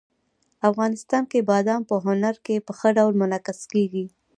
افغانستان کې بادام په هنر کې په ښه ډول منعکس کېږي.